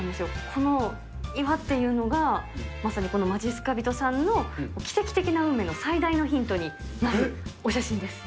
この岩っていうのが、まさにこのまじっすか人さんの奇跡的な運命の最大のヒントになるお写真です。